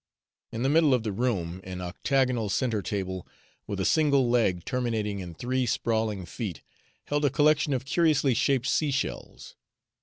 In the middle of the room an octagonal centre table with a single leg, terminating in three sprawling feet, held a collection of curiously shaped sea shells.